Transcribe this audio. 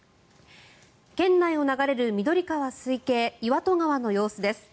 県内を流れる緑川水系岩戸川の様子です。